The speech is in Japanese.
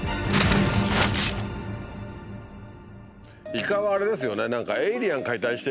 イカはあれですよね